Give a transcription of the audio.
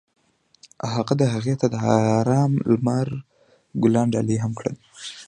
هغه هغې ته د آرام لمر ګلان ډالۍ هم کړل.